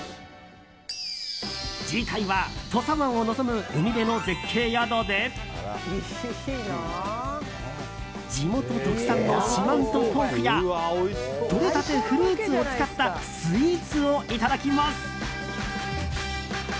次回は、土佐湾を望む海辺の絶景宿で地元特産の四万十ポークやとれたてフルーツを使ったスイーツをいただきます。